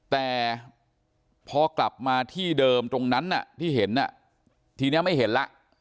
แต่พอกลับมาที่เดิมตรงนั้นที่เห็นทีนี้ไม่เห็นแล้ว